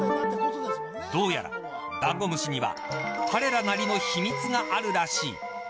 どうやら、だんごむしには彼らなりの秘密があるらしい。